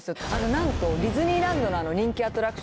なんとディズニーランドの人気アトラクション